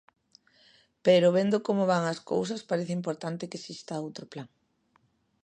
Pero, vendo como van as cousas, parece importante que exista outro plan.